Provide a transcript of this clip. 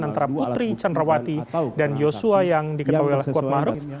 antara putri candrawati dan yosua yang diketahui oleh kodmaruf